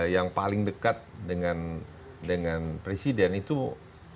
yang paling dekat dengan presiden itu bisa meyakinkan